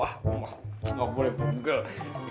ah enggak boleh punggel